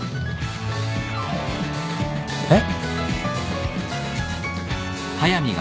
えっ？